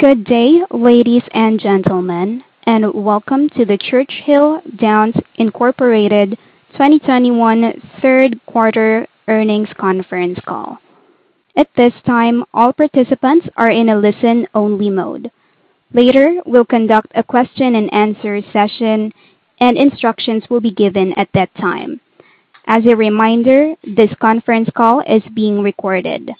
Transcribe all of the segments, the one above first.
Good day, ladies and gentlemen, and welcome to the Churchill Downs Incorporated 2021 Third Quarter Earnings Conference Call. At this time, all participants are in a listen-only mode. Later, we'll conduct a question-and-answer session and instructions will be given at that time. As a reminder, this conference call is being recorded.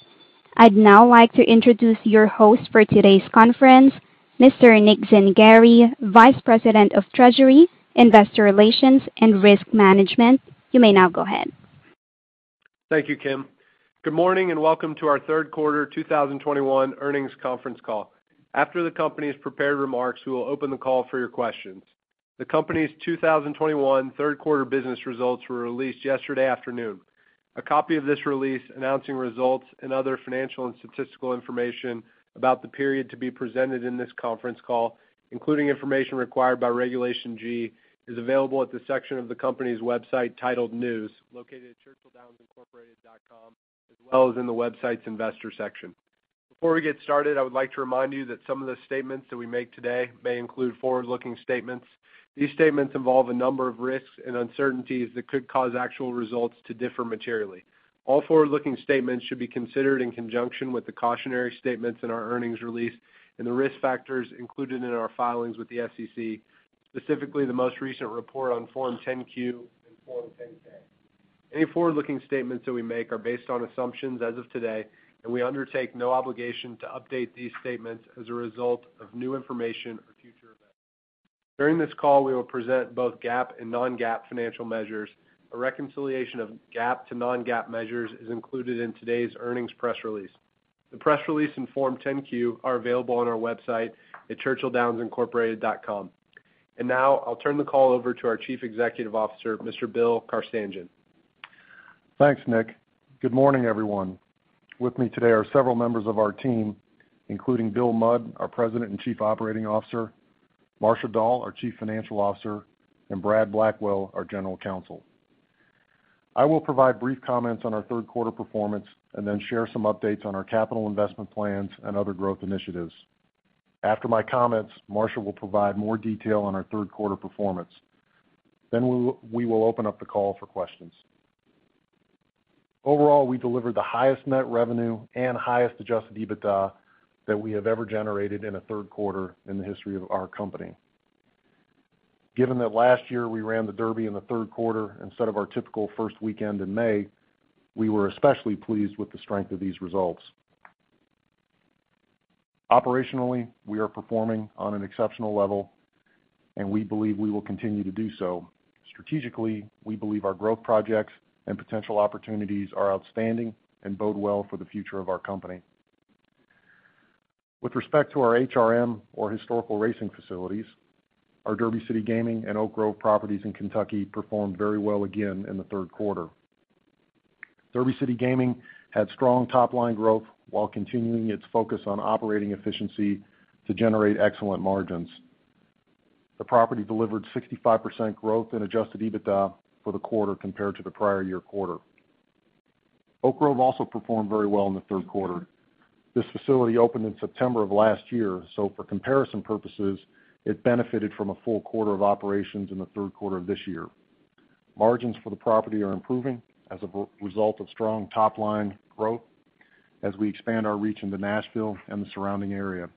I'd now like to introduce your host for today's conference, Mr. Nick Zangari, Vice President of Treasury, Investor Relations, and Risk Management. You may now go ahead. Thank you, Kim. Good morning, and welcome to our Third Quarter 2021 Earnings Conference Call. After the company's prepared remarks, we will open the call for your questions. The company's 2021 third quarter business results were released yesterday afternoon. A copy of this release announcing results and other financial and statistical information about the period to be presented in this conference call, including information required by Regulation G, is available at the section of the company's website titled News, located at churchilldownsincorporated.com, as well as in the website's Investor section. Before we get started, I would like to remind you that some of the statements that we make today may include forward-looking statements. These statements involve a number of risks and uncertainties that could cause actual results to differ materially. All forward-looking statements should be considered in conjunction with the cautionary statements in our earnings release and the risk factors included in our filings with the SEC, specifically the most recent report on Form 10-Q and Form 10-K. Any forward-looking statements that we make are based on assumptions as of today, and we undertake no obligation to update these statements as a result of new information or future events. During this call, we will present both GAAP and non-GAAP financial measures. A reconciliation of GAAP to non-GAAP measures is included in today's earnings press release. The press release and Form 10-Q are available on our website at churchilldownsincorporated.com. Now, I'll turn the call over to our Chief Executive Officer, Mr. Bill Carstanjen. Thanks, Nick. Good morning, everyone. With me today are several members of our team, including Bill Mudd, our President and Chief Operating Officer, Marcia Dall, our Chief Financial Officer, and Brad Blackwell, our General Counsel. I will provide brief comments on our third quarter performance and then share some updates on our capital investment plans and other growth initiatives. After my comments, Marcia will provide more detail on our third quarter performance. Then we will open up the call for questions. Overall, we delivered the highest net revenue and highest adjusted EBITDA that we have ever generated in a third quarter in the history of our company. Given that last year we ran the Derby in the third quarter instead of our typical first weekend in May, we were especially pleased with the strength of these results. Operationally, we are performing on an exceptional level, and we believe we will continue to do so. Strategically, we believe our growth projects and potential opportunities are outstanding and bode well for the future of our company. With respect to our HRM or historical racing facilities, our Derby City Gaming and Oak Grove properties in Kentucky performed very well again in the third quarter. Derby City Gaming had strong top-line growth while continuing its focus on operating efficiency to generate excellent margins. The property delivered 65% growth in adjusted EBITDA for the quarter compared to the prior year quarter. Oak Grove also performed very well in the third quarter. This facility opened in September of last year, so for comparison purposes, it benefited from a full quarter of operations in the third quarter of this year. Margins for the property are improving as a result of strong top-line growth as we expand our reach into Nashville and the surrounding area.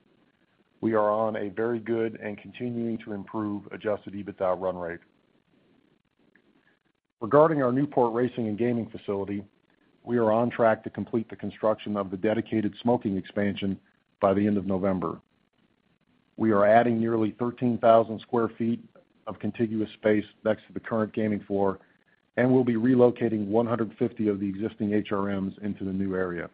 We are on a very good track and continuing to improve adjusted EBITDA run rate. Regarding our Newport Racing & Gaming facility, we are on track to complete the construction of the dedicated smoking expansion by the end of November. We are adding nearly 13,000 sq ft of contiguous space next to the current gaming floor and will be relocating 150 of the existing HRMs into the new area.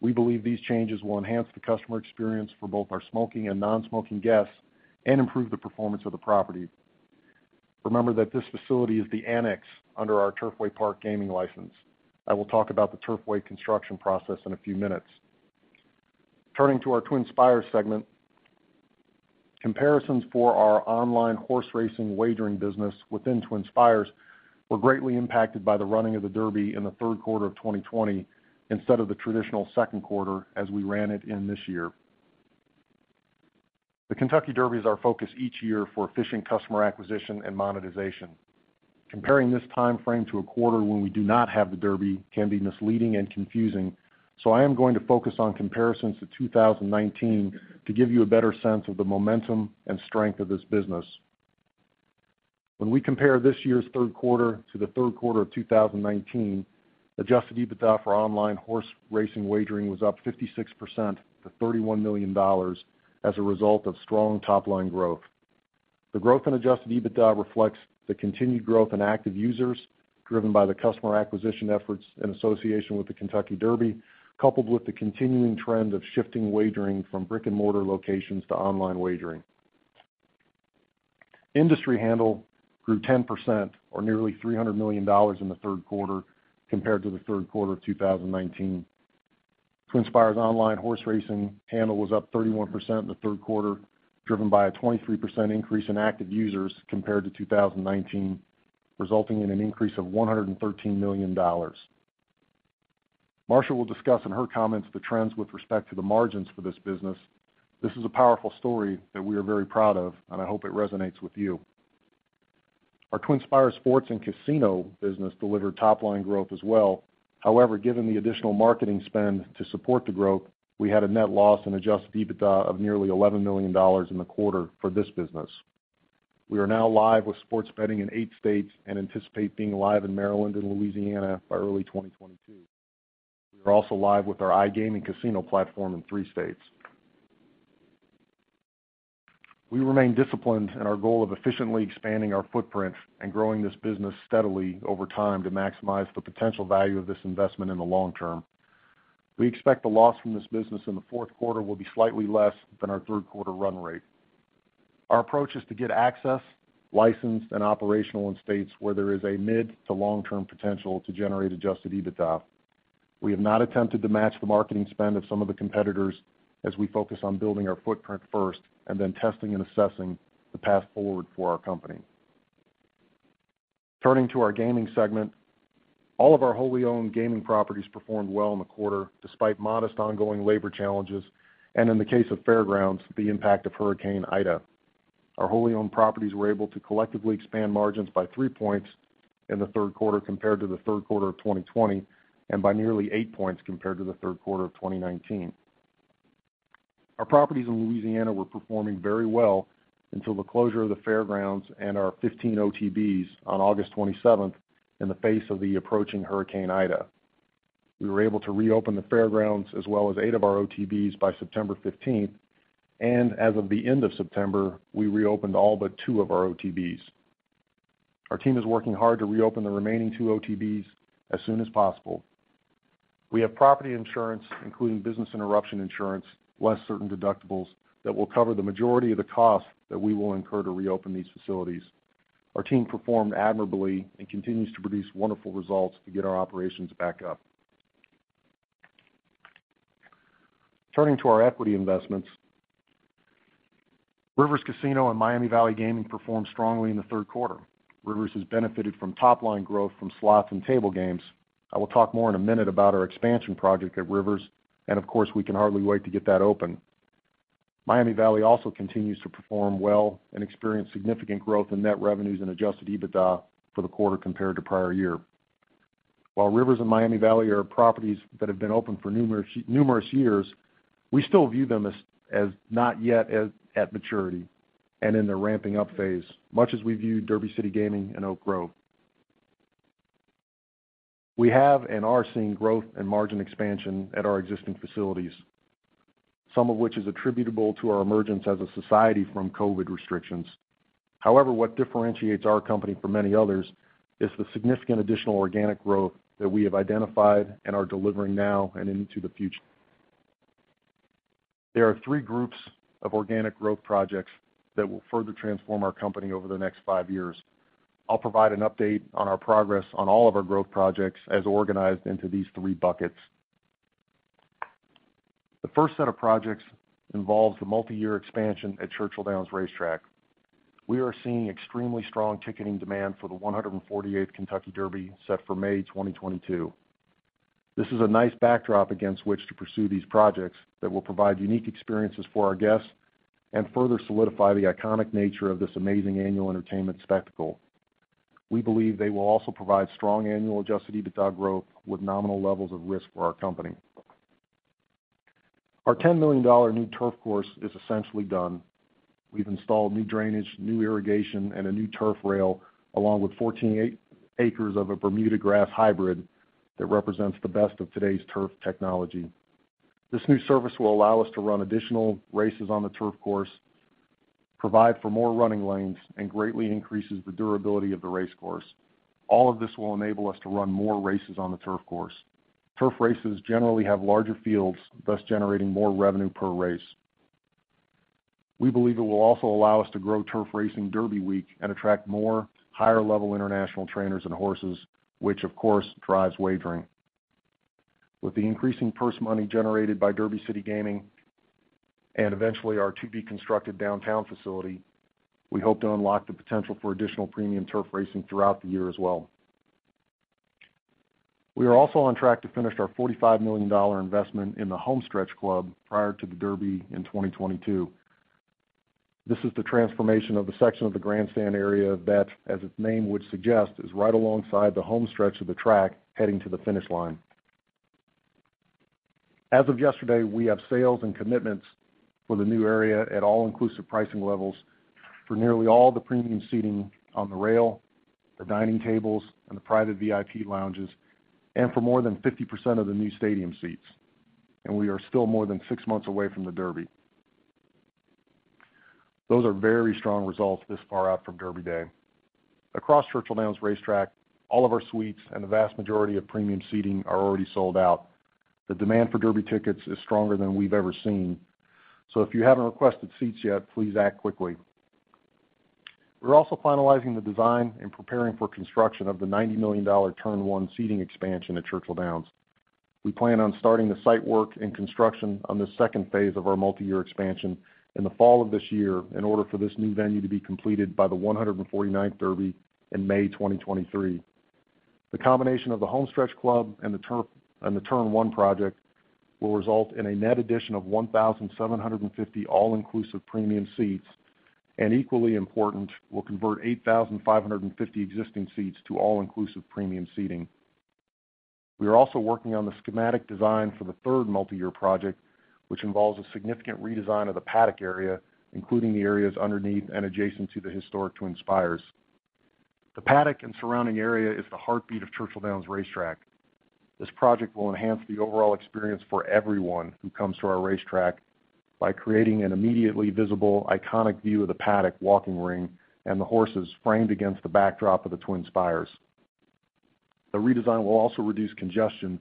We believe these changes will enhance the customer experience for both our smoking and non-smoking guests and improve the performance of the property. Remember that this facility is the annex under our Turfway Park gaming license. I will talk about the Turfway construction process in a few minutes. Turning to our TwinSpires segment, comparisons for our online horse racing wagering business within TwinSpires were greatly impacted by the running of the Derby in the third quarter of 2020 instead of the traditional second quarter as we ran it in this year. The Kentucky Derby is our focus each year for efficient customer acquisition and monetization. Comparing this time frame to a quarter when we do not have the Derby can be misleading and confusing, so I am going to focus on comparisons to 2019 to give you a better sense of the momentum and strength of this business. When we compare this year's third quarter to the third quarter of 2019, adjusted EBITDA for online horse racing wagering was up 56% to $31 million as a result of strong top-line growth. The growth in adjusted EBITDA reflects the continued growth in active users driven by the customer acquisition efforts in association with the Kentucky Derby, coupled with the continuing trend of shifting wagering from brick-and-mortar locations to online wagering. Industry handle grew 10% or nearly $300 million in the third quarter compared to the third quarter of 2019. TwinSpires online horse racing handle was up 31% in the third quarter, driven by a 23% increase in active users compared to 2019, resulting in an increase of $113 million. Marcia will discuss in her comments the trends with respect to the margins for this business. This is a powerful story that we are very proud of, and I hope it resonates with you. Our TwinSpires sports and casino business delivered top-line growth as well. However, given the additional marketing spend to support the growth, we had a net loss in adjusted EBITDA of nearly $11 million in the quarter for this business. We are now live with sports betting in eight states and anticipate being live in Maryland and Louisiana by early 2022. We are also live with our iGaming casino platform in three states. We remain disciplined in our goal of efficiently expanding our footprint and growing this business steadily over time to maximize the potential value of this investment in the long term. We expect the loss from this business in the fourth quarter will be slightly less than our third quarter run rate. Our approach is to get access, licensed, and operational in states where there is a mid to long-term potential to generate adjusted EBITDA. We have not attempted to match the marketing spend of some of the competitors as we focus on building our footprint first and then testing and assessing the path forward for our company. Turning to our gaming segment, all of our wholly owned gaming properties performed well in the quarter despite modest ongoing labor challenges, and in the case of Fair Grounds, the impact of Hurricane Ida. Our wholly owned properties were able to collectively expand margins by three points in the third quarter compared to the third quarter of 2020, and by nearly eight points compared to the third quarter of 2019. Our properties in Louisiana were performing very well until the closure of the Fair Grounds and our 15 OTBs on August 27th in the face of the approaching Hurricane Ida. We were able to reopen the Fair Grounds as well as eight of our OTBs by September 15th, and as of the end of September, we reopened all but two of our OTBs. Our team is working hard to reopen the remaining two OTBs as soon as possible. We have property insurance, including business interruption insurance, less certain deductibles, that will cover the majority of the costs that we will incur to reopen these facilities. Our team performed admirably and continues to produce wonderful results to get our operations back up. Turning to our equity investments, Rivers Casino and Miami Valley Gaming performed strongly in the third quarter. Rivers has benefited from top-line growth from slots and table games. I will talk more in a minute about our expansion project at Rivers, and of course, we can hardly wait to get that open. Miami Valley also continues to perform well and experienced significant growth in net revenues and adjusted EBITDA for the quarter compared to prior year. While Rivers and Miami Valley are properties that have been open for numerous years, we still view them as not yet at maturity and in the ramping up phase, much as we view Derby City Gaming and Oak Grove. We have and are seeing growth and margin expansion at our existing facilities, some of which is attributable to our emergence as a society from COVID restrictions. However, what differentiates our company from many others is the significant additional organic growth that we have identified and are delivering now and into the future. There are three groups of organic growth projects that will further transform our company over the next five years. I'll provide an update on our progress on all of our growth projects as organized into these three buckets. The first set of projects involves the multiyear expansion at Churchill Downs Racetrack. We are seeing extremely strong ticketing demand for the 148th Kentucky Derby set for May 2022. This is a nice backdrop against which to pursue these projects that will provide unique experiences for our guests and further solidify the iconic nature of this amazing annual entertainment spectacle. We believe they will also provide strong annual adjusted EBITDA growth with nominal levels of risk for our company. Our $10 million new turf course is essentially done. We've installed new drainage, new irrigation, and a new turf rail, along with 14.8 acres of a Bermuda grass hybrid that represents the best of today's turf technology. This new service will allow us to run additional races on the turf course, provide for more running lanes, and greatly increases the durability of the racecourse. All of this will enable us to run more races on the turf course. Turf races generally have larger fields, thus generating more revenue per race. We believe it will also allow us to grow turf racing Derby week and attract more higher-level international trainers and horses, which of course drives wagering. With the increasing purse money generated by Derby City Gaming and eventually our to-be-constructed downtown facility, we hope to unlock the potential for additional premium turf racing throughout the year as well. We are also on track to finish our $45 million investment in the Homestretch Club prior to the Derby in 2022. This is the transformation of the section of the grandstand area that, as its name would suggest, is right alongside the home stretch of the track heading to the finish line. As of yesterday, we have sales and commitments for the new area at all-inclusive pricing levels for nearly all the premium seating on the rail, the dining tables, and the private VIP lounges, and for more than 50% of the new stadium seats, and we are still more than six months away from the Derby. Those are very strong results this far out from Derby Day. Across Churchill Downs Racetrack, all of our suites and the vast majority of premium seating are already sold out. The demand for Derby tickets is stronger than we've ever seen. If you haven't requested seats yet, please act quickly. We're also finalizing the design and preparing for construction of the $90 million Turn One seating expansion at Churchill Downs. We plan on starting the site work and construction on this second phase of our multiyear expansion in the fall of this year in order for this new venue to be completed by the 149th Derby in May 2023. The combination of the Homestretch Club and the Turn 1 project will result in a net addition of 1,750 all-inclusive premium seats, and equally important, will convert 8,550 existing seats to all-inclusive premium seating. We are also working on the schematic design for the third multiyear project, which involves a significant redesign of the paddock area, including the areas underneath and adjacent to the historic Twin Spires. The Paddock and surrounding area is the heartbeat of Churchill Downs Racetrack. This project will enhance the overall experience for everyone who comes to our racetrack by creating an immediately visible, iconic view of the Paddock walking ring and the horses framed against the backdrop of the Twin Spires. The redesign will also reduce congestion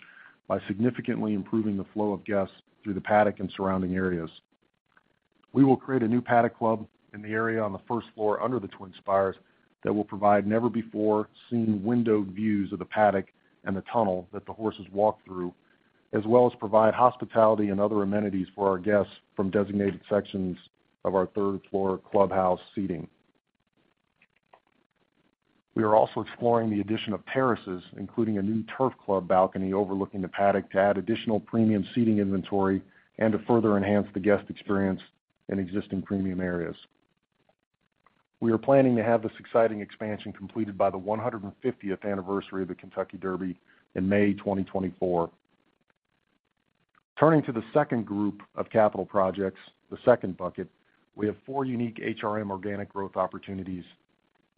by significantly improving the flow of guests through the Paddock and surrounding areas. We will create a new Paddock Club in the area on the first floor under the Twin Spires that will provide never-before-seen windowed views of the Paddock and the tunnel that the horses walk through, as well as provide hospitality and other amenities for our guests from designated sections of our third-floor clubhouse seating. We are also exploring the addition of terraces, including a new Turf Club balcony overlooking the paddock to add additional premium seating inventory and to further enhance the guest experience in existing premium areas. We are planning to have this exciting expansion completed by the 150th anniversary of the Kentucky Derby in May 2024. Turning to the second group of capital projects, the second bucket, we have four unique HRM organic growth opportunities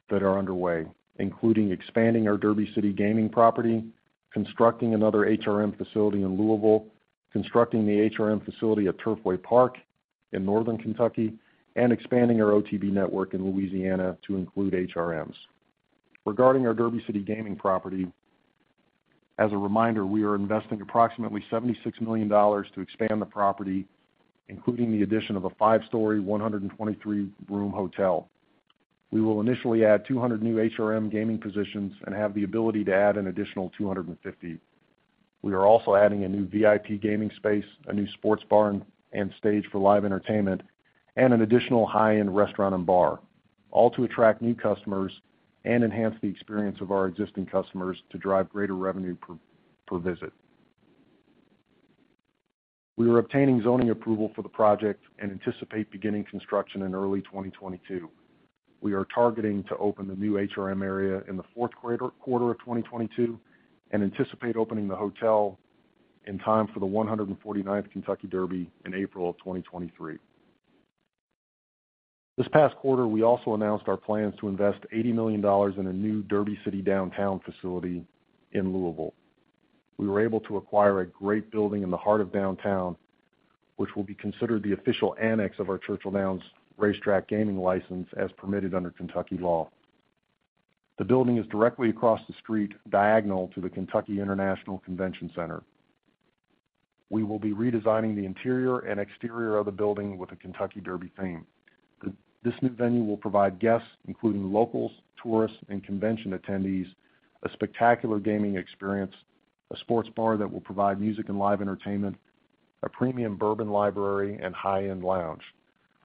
that are underway, including expanding our Derby City Gaming property, constructing another HRM facility in Louisville, constructing the HRM facility at Turfway Park in Northern Kentucky, and expanding our OTB network in Louisiana to include HRMs. Regarding our Derby City Gaming property, as a reminder, we are investing approximately $76 million to expand the property, including the addition of a five-story, 123-room hotel. We will initially add 200 new HRM gaming positions and have the ability to add an additional 250. We are also adding a new VIP gaming space, a new sports bar and stage for live entertainment, and an additional high-end restaurant and bar, all to attract new customers and enhance the experience of our existing customers to drive greater revenue per visit. We are obtaining zoning approval for the project and anticipate beginning construction in early 2022. We are targeting to open the new HRM area in the fourth quarter of 2022, and anticipate opening the hotel in time for the 149th Kentucky Derby in April 2023. This past quarter, we also announced our plans to invest $80 million in a new Derby City Gaming Downtown facility in Louisville. We were able to acquire a great building in the heart of downtown, which will be considered the official annex of our Churchill Downs Racetrack gaming license as permitted under Kentucky law. The building is directly across the street diagonal to the Kentucky International Convention Center. We will be redesigning the interior and exterior of the building with a Kentucky Derby theme. This new venue will provide guests, including locals, tourists, and convention attendees, a spectacular gaming experience, a sports bar that will provide music and live entertainment, a premium bourbon library, and high-end lounge.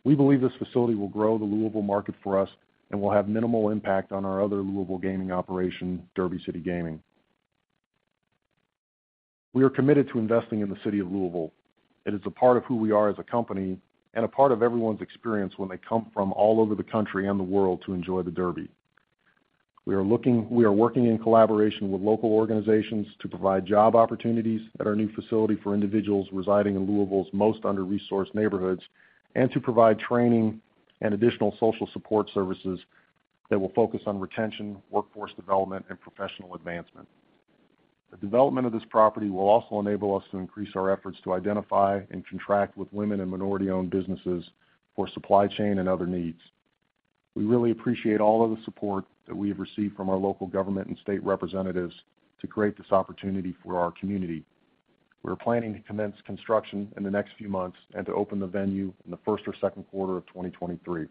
We believe this facility will grow the Louisville market for us and will have minimal impact on our other Louisville gaming operation, Derby City Gaming. We are committed to investing in the city of Louisville. It is a part of who we are as a company and a part of everyone's experience when they come from all over the country and the world to enjoy the Derby. We are working in collaboration with local organizations to provide job opportunities at our new facility for individuals residing in Louisville's most under-resourced neighborhoods and to provide training and additional social support services that will focus on retention, workforce development, and professional advancement. The development of this property will also enable us to increase our efforts to identify and contract with women and minority-owned businesses for supply chain and other needs. We really appreciate all of the support that we have received from our local government and state representatives to create this opportunity for our community. We are planning to commence construction in the next few months and to open the venue in the first or second quarter of 2023.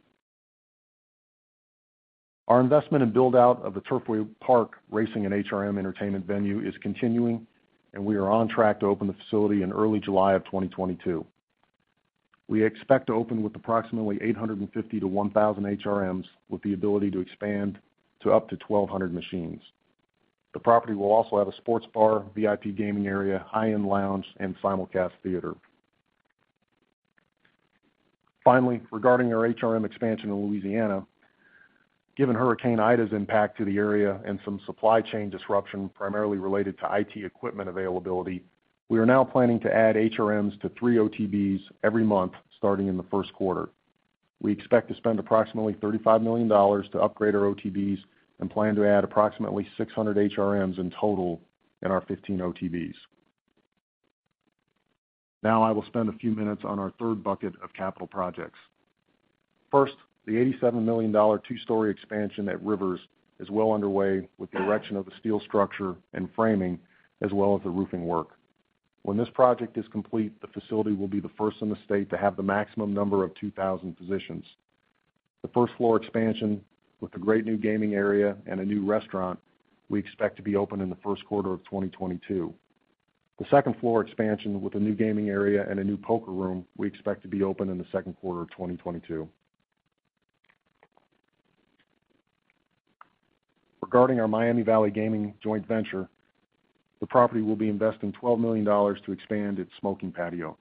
Our investment and build-out of the Turfway Park Racing and HRM Entertainment venue is continuing, and we are on track to open the facility in early July of 2022. We expect to open with approximately 850-1,000 HRMs with the ability to expand to up to 1,200 machines. The property will also have a sports bar, VIP gaming area, high-end lounge, and simulcast theater. Finally, regarding our HRM expansion in Louisiana, given Hurricane Ida's impact to the area and some supply chain disruption primarily related to IT equipment availability, we are now planning to add HRMs to three OTBs every month starting in the first quarter. We expect to spend approximately $35 million to upgrade our OTBs and plan to add approximately 600 HRMs in total in our 15 OTBs. Now I will spend a few minutes on our third bucket of capital projects. First, the $87 million two-story expansion at Rivers is well underway with the erection of the steel structure and framing, as well as the roofing work. When this project is complete, the facility will be the first in the state to have the maximum number of 2,000 positions. The first-floor expansion with a great new gaming area and a new restaurant. We expect to be open in the first quarter of 2022. The second-floor expansion with a new gaming area and a new poker room, we expect to be open in the second quarter of 2022. Regarding our Miami Valley Gaming joint venture, the property will be investing $12 million to expand its smoking patio.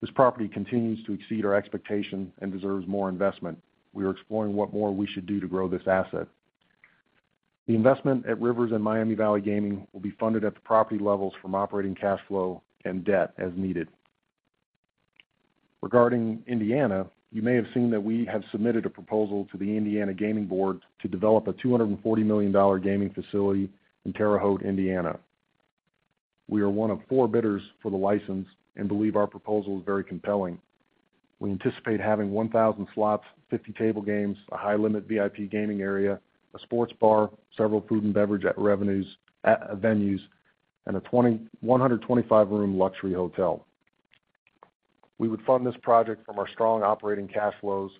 This property continues to exceed our expectations and deserves more investment. We are exploring what more we should do to grow this asset. The investment at Rivers and Miami Valley Gaming will be funded at the property levels from operating cash flow and debt as needed. Regarding Indiana, you may have seen that we have submitted a proposal to the Indiana Gaming Commission to develop a $240 million gaming facility in Terre Haute, Indiana. We are one of four bidders for the license and believe our proposal is very compelling. We anticipate having 1,000 slots, 50 table games, a high-limit VIP gaming area, a sports bar, several food and beverage venues, and a 125-room luxury hotel. We would fund this project from our strong operating cash flows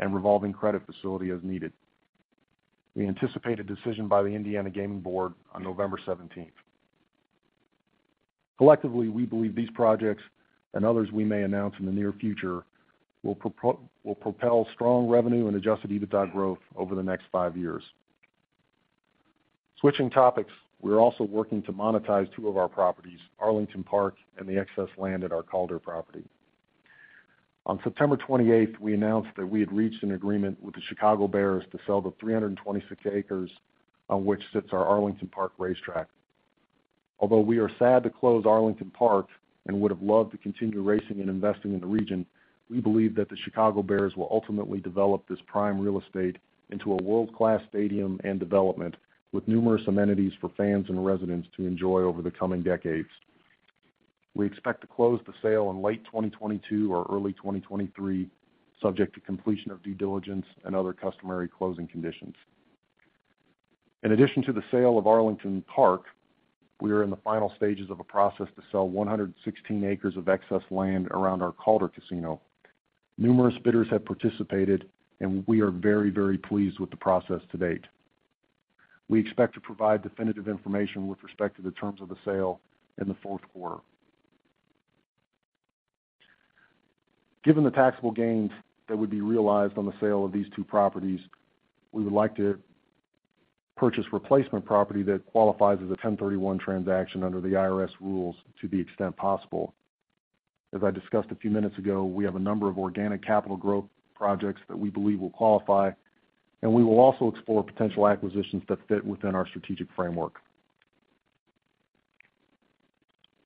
and revolving credit facility as needed. We anticipate a decision by the Indiana Gaming Commission on November 17. Collectively, we believe these projects and others we may announce in the near future will propel strong revenue and adjusted EBITDA growth over the next five years. Switching topics, we're also working to monetize two of our properties, Arlington Park and the excess land at our Calder property. On September 28, we announced that we had reached an agreement with the Chicago Bears to sell the 326 acres on which sits our Arlington Park racetrack. Although we are sad to close Arlington Park and would have loved to continue racing and investing in the region, we believe that the Chicago Bears will ultimately develop this prime real estate into a world-class stadium and development with numerous amenities for fans and residents to enjoy over the coming decades. We expect to close the sale in late 2022 or early 2023, subject to completion of due diligence and other customary closing conditions. In addition to the sale of Arlington Park, we are in the final stages of a process to sell 116 acres of excess land around our Calder Casino. Numerous bidders have participated, and we are very, very pleased with the process to date. We expect to provide definitive information with respect to the terms of the sale in the fourth quarter. Given the taxable gains that would be realized on the sale of these two properties, we would like to purchase replacement property that qualifies as a 1031 transaction under the IRS rules to the extent possible. As I discussed a few minutes ago, we have a number of organic capital growth projects that we believe will qualify, and we will also explore potential acquisitions that fit within our strategic framework.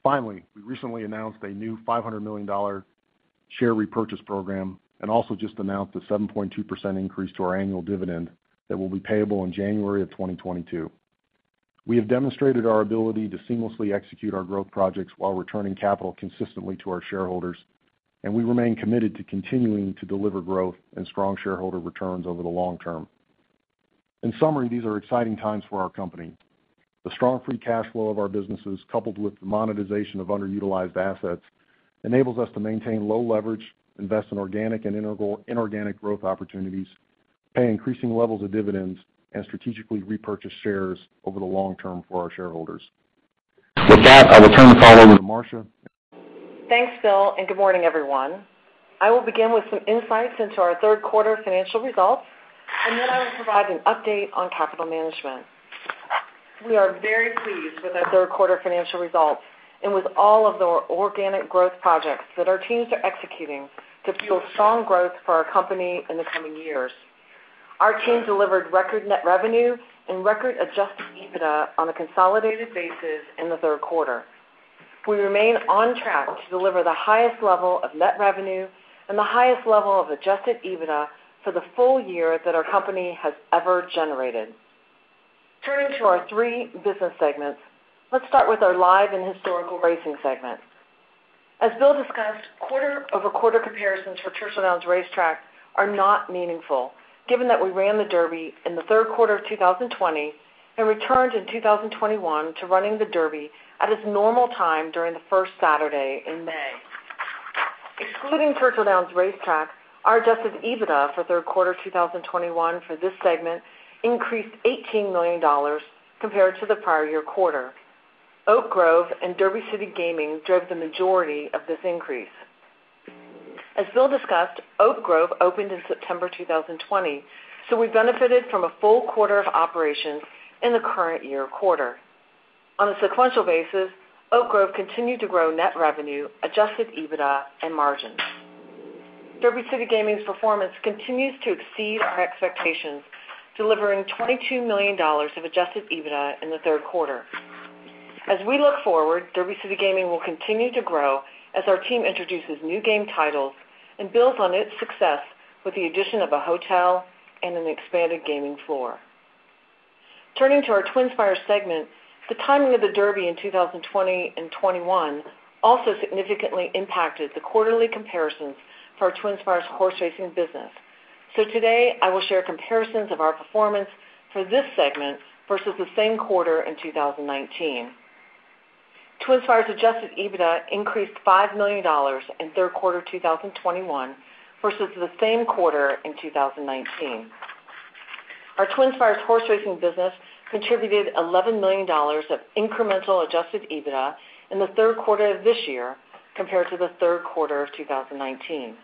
Finally, we recently announced a new $500 million share repurchase program and also just announced a 7.2% increase to our annual dividend that will be payable in January 2022. We have demonstrated our ability to seamlessly execute our growth projects while returning capital consistently to our shareholders, and we remain committed to continuing to deliver growth and strong shareholder returns over the long term. In summary, these are exciting times for our company. The strong free cash flow of our businesses, coupled with the monetization of underutilized assets, enables us to maintain low leverage, invest in organic and inorganic growth opportunities, pay increasing levels of dividends, and strategically repurchase shares over the long term for our shareholders. With that, I will turn the call over to Marcia. Thanks, Bill, and good morning, everyone. I will begin with some insights into our third quarter financial results, and then I will provide an update on capital management. We are very pleased with our third quarter financial results and with all of the organic growth projects that our teams are executing to fuel strong growth for our company in the coming years. Our team delivered record net revenue and record adjusted EBITDA on a consolidated basis in the third quarter. We remain on track to deliver the highest level of net revenue and the highest level of adjusted EBITDA for the full year that our company has ever generated. Turning to our three business segments. Let's start with our Live and Historical Racing segment. As Bill discussed, quarter-over-quarter comparisons for Churchill Downs Racetrack are not meaningful, given that we ran the Derby in the third quarter of 2020 and returned in 2021 to running the Derby at its normal time during the first Saturday in May. Excluding Churchill Downs Racetrack, our adjusted EBITDA for third quarter 2021 for this segment increased $18 million compared to the prior year quarter. Oak Grove and Derby City Gaming drove the majority of this increase. As Bill discussed, Oak Grove opened in September 2020, so we benefited from a full quarter of operations in the current year quarter. On a sequential basis, Oak Grove continued to grow net revenue, adjusted EBITDA, and margins. Derby City Gaming's performance continues to exceed our expectations, delivering $22 million of adjusted EBITDA in the third quarter. As we look forward, Derby City Gaming will continue to grow as our team introduces new game titles and builds on its success with the addition of a hotel and an expanded gaming floor. Turning to our TwinSpires segment, the timing of the Derby in 2020 and 2021 also significantly impacted the quarterly comparisons for TwinSpires' horse racing business. Today, I will share comparisons of our performance for this segment versus the same quarter in 2019. TwinSpires adjusted EBITDA increased $5 million in third quarter 2021 versus the same quarter in 2019. Our TwinSpires horse racing business contributed $11 million of incremental adjusted EBITDA in the third quarter of this year compared to the third quarter of 2019.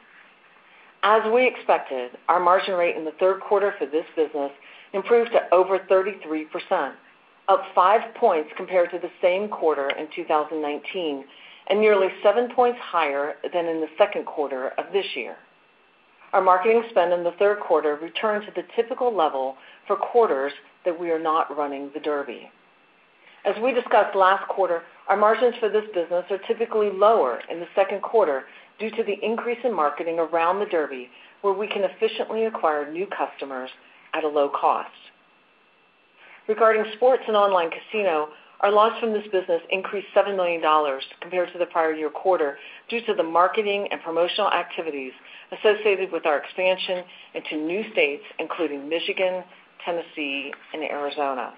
As we expected, our margin rate in the third quarter for this business improved to over 33%, up five points compared to the same quarter in 2019, and nearly seven points higher than in the second quarter of this year. Our marketing spend in the third quarter returned to the typical level for quarters that we are not running the Derby. As we discussed last quarter, our margins for this business are typically lower in the second quarter due to the increase in marketing around the Derby, where we can efficiently acquire new customers at a low cost. Regarding sports and online casino, our loss from this business increased $7 million compared to the prior year quarter due to the marketing and promotional activities associated with our expansion into new states, including Michigan, Tennessee, and Arizona.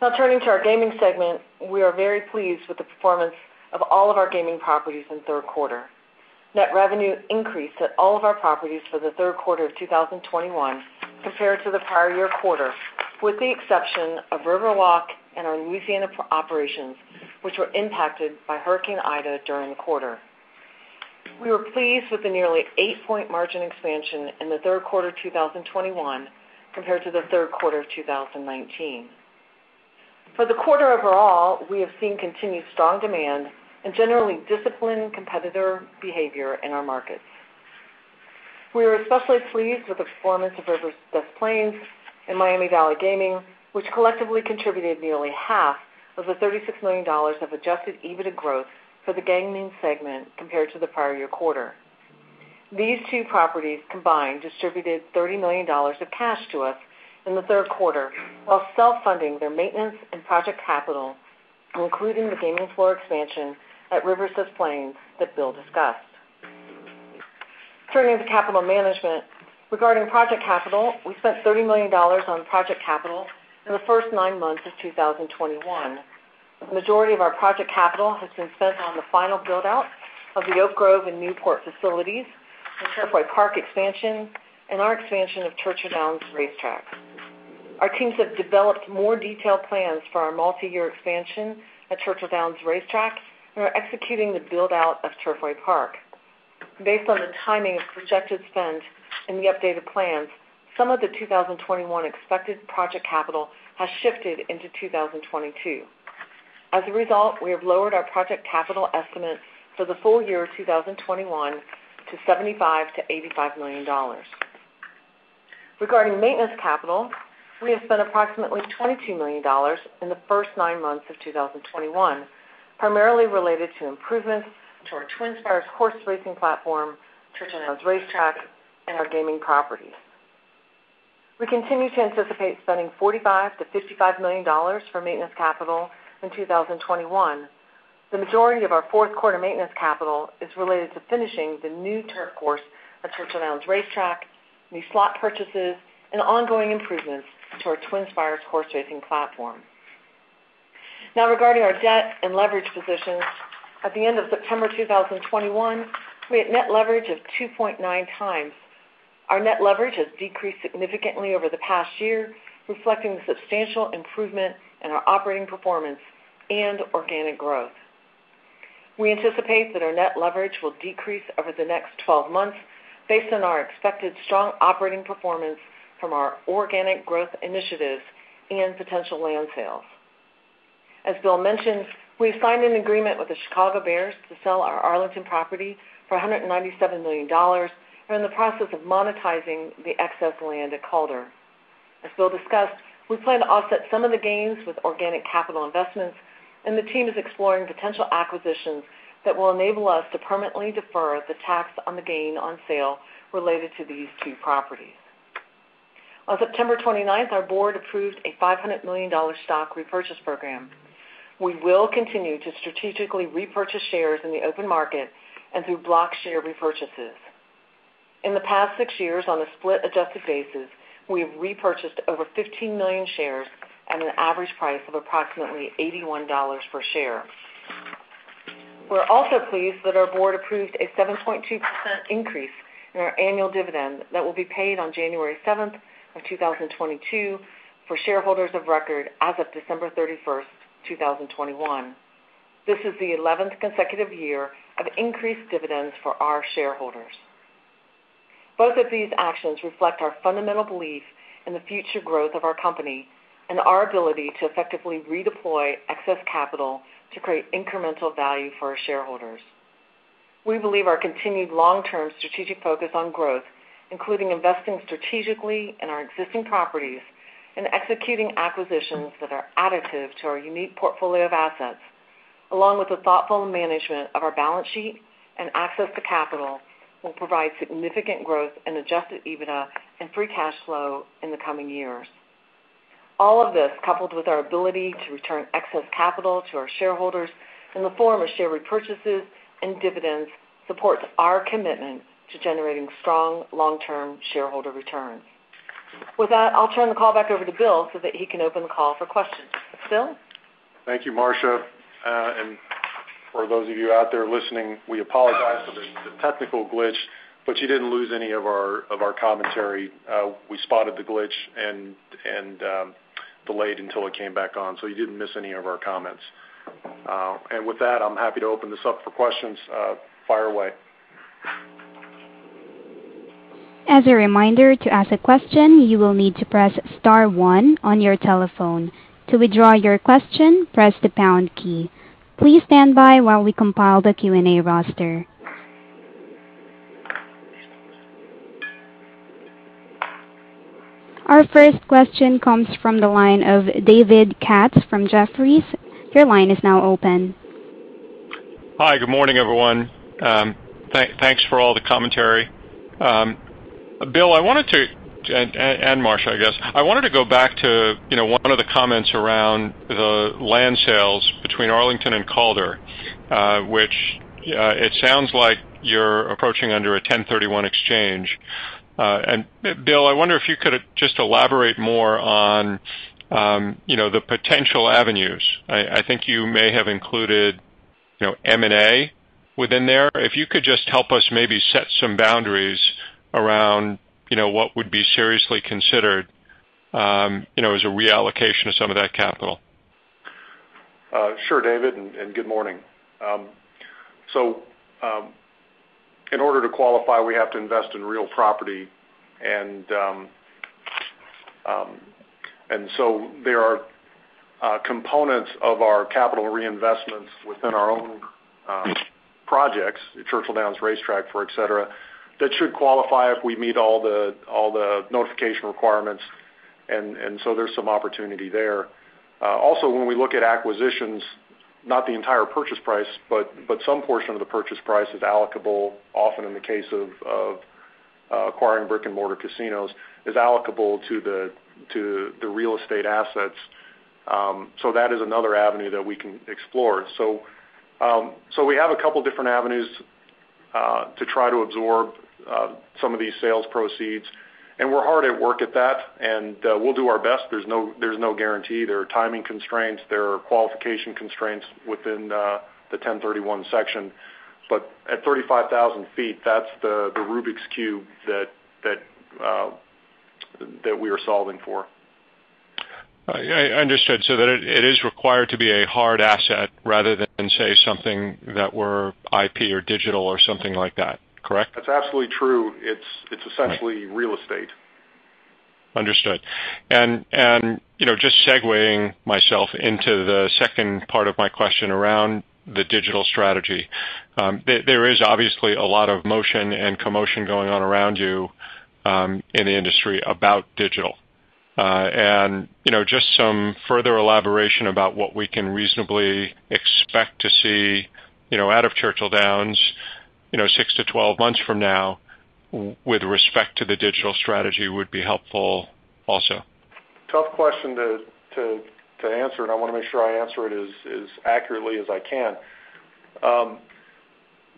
Now turning to our gaming segment. We are very pleased with the performance of all of our gaming properties in the third quarter. Net revenue increased at all of our properties for the third quarter of 2021 compared to the prior year quarter, with the exception of River Walk and our Louisiana operations, which were impacted by Hurricane Ida during the quarter. We were pleased with the nearly eight-point margin expansion in the third quarter of 2021 compared to the third quarter of 2019. For the quarter overall, we have seen continued strong demand and generally disciplined competitor behavior in our markets. We are especially pleased with the performance of Rivers Casino Des Plaines and Miami Valley Gaming, which collectively contributed nearly half of the $36 million of adjusted EBITDA growth for the gaming segment compared to the prior year quarter. These two properties combined distributed $30 million of cash to us in the third quarter while self-funding their maintenance and project capital, including the gaming floor expansion at Rivers Des Plaines that Bill discussed. Turning to capital management. Regarding project capital, we spent $30 million on project capital in the first nine months of 2021. The majority of our project capital has been spent on the final build-out of the Oak Grove and Newport facilities, the Turfway Park expansion, and our expansion of Churchill Downs Racetrack. Our teams have developed more detailed plans for our multiyear expansion at Churchill Downs Racetrack. We are executing the build-out of Turfway Park. Based on the timing of projected spend and the updated plans, some of the 2021 expected project capital has shifted into 2022. As a result, we have lowered our project capital estimate for the full year of 2021 to $75 million-$85 million. Regarding maintenance capital, we have spent approximately $22 million in the first nine months of 2021, primarily related to improvements to our TwinSpires horse racing platform, Churchill Downs Racetrack, and our gaming properties. We continue to anticipate spending $45 million-$55 million for maintenance capital in 2021. The majority of our fourth quarter maintenance capital is related to finishing the new turf course at Churchill Downs Racetrack, new slot purchases, and ongoing improvements to our TwinSpires horse racing platform. Now regarding our debt and leverage positions. At the end of September 2021, we had net leverage of 2.9x. Our net leverage has decreased significantly over the past year, reflecting the substantial improvement in our operating performance and organic growth. We anticipate that our net leverage will decrease over the next 12 months based on our expected strong operating performance from our organic growth initiatives and potential land sales. As Bill mentioned, we signed an agreement with the Chicago Bears to sell our Arlington property for $197 million. We're in the process of monetizing the excess land at Calder. As Bill discussed, we plan to offset some of the gains with organic capital investments, and the team is exploring potential acquisitions that will enable us to permanently defer the tax on the gain on sale related to these two properties. On September 29, our board approved a $500 million stock repurchase program. We will continue to strategically repurchase shares in the open market and through block share repurchases. In the past six years, on a split adjusted basis, we have repurchased over 15 million shares at an average price of approximately $81 per share. We're also pleased that our board approved a 7.2% increase in our annual dividend that will be paid on January 7, 2022 for shareholders of record as of December 31st, 2021. This is the 11th consecutive year of increased dividends for our shareholders. Both of these actions reflect our fundamental belief in the future growth of our company and our ability to effectively redeploy excess capital to create incremental value for our shareholders. We believe our continued long-term strategic focus on growth, including investing strategically in our existing properties and executing acquisitions that are additive to our unique portfolio of assets, along with the thoughtful management of our balance sheet and access to capital, will provide significant growth in adjusted EBITDA and free cash flow in the coming years. All of this, coupled with our ability to return excess capital to our shareholders in the form of share repurchases and dividends, supports our commitment to generating strong long-term shareholder returns. With that, I'll turn the call back over to Bill so that he can open the call for questions. Bill? Thank you, Marcia, and for those of you out there listening, we apologize for the technical glitch, but you didn't lose any of our commentary. We spotted the glitch and delayed until it came back on, so you didn't miss any of our comments. With that, I'm happy to open this up for questions. Fire away. As a reminder, to ask a question, you will need to press star one on your telephone. To withdraw your question, press the pound key. Please stand by while we compile the Q&A roster. Our first question comes from the line of David Katz from Jefferies. Your line is now open. Hi, good morning, everyone. Thanks for all the commentary. Bill and Marcia, I guess. I wanted to go back to, you know, one of the comments around the land sales between Arlington and Calder, which it sounds like you're approaching under a 1031 exchange. Bill, I wonder if you could just elaborate more on, you know, the potential avenues. I think you may have included, you know, M&A within there. If you could just help us maybe set some boundaries around, you know, what would be seriously considered, you know, as a reallocation of some of that capital. Sure, David. Good morning. In order to qualify, we have to invest in real property. There are components of our capital reinvestments within our own projects, Churchill Downs Racetrack for et cetera, that should qualify if we meet all the notification requirements. There's some opportunity there. Also, when we look at acquisitions, not the entire purchase price, but some portion of the purchase price is allocable, often in the case of acquiring brick-and-mortar casinos, to the real estate assets. That is another avenue that we can explore. We have a couple different avenues to try to absorb some of these sales proceeds, and we're hard at work at that. We'll do our best. There's no guarantee. There are timing constraints. There are qualification constraints within the 1031 section. At 35,000 feet, that's the Rubik's cube that we are solving for. I understood. That it is required to be a hard asset rather than, say, something that were IP or digital or something like that. Correct? That's absolutely true. It's essentially real estate. Understood. You know, just segueing myself into the second part of my question around the digital strategy. There is obviously a lot of motion and commotion going on around you in the industry about digital. You know, just some further elaboration about what we can reasonably expect to see, you know, out of Churchill Downs, you know, six to 12 months from now with respect to the digital strategy would be helpful also. Tough question to answer, and I wanna make sure I answer it as accurately as I can.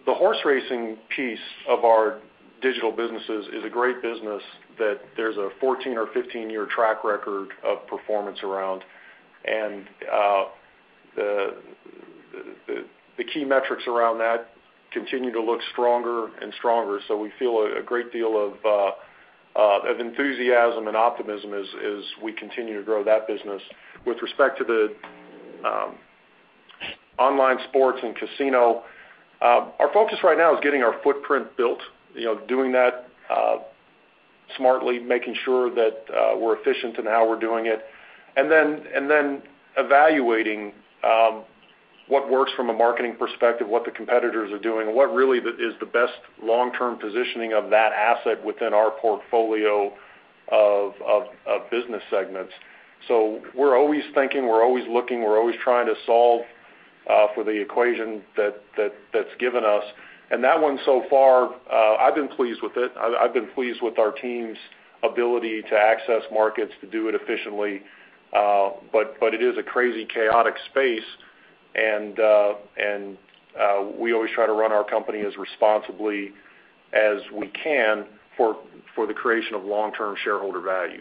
The horse racing piece of our digital businesses is a great business that there's a 14 or 15-year track record of performance around. The key metrics around that continue to look stronger and stronger. We feel a great deal of enthusiasm and optimism as we continue to grow that business. With respect to the online sports and casino, our focus right now is getting our footprint built, you know, doing that smartly, making sure that we're efficient in how we're doing it. Evaluating what works from a marketing perspective, what the competitors are doing, and what really is the best long-term positioning of that asset within our portfolio of business segments. We're always thinking, we're always looking, we're always trying to solve for the equation that's given us. That one so far I've been pleased with it. I've been pleased with our team's ability to access markets to do it efficiently. But it is a crazy, chaotic space, and we always try to run our company as responsibly as we can for the creation of long-term shareholder value.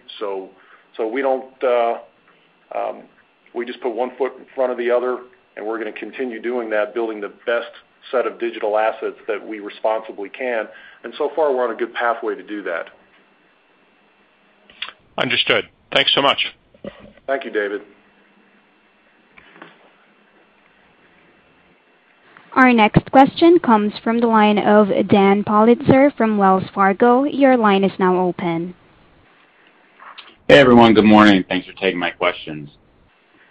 We just put one foot in front of the other, and we're gonna continue doing that, building the best set of digital assets that we responsibly can. And so far we're on a good pathway to do that. Understood. Thanks so much. Thank you, David. Our next question comes from the line of Dan Politzer from Wells Fargo. Your line is now open. Hey, everyone. Good morning. Thanks for taking my questions.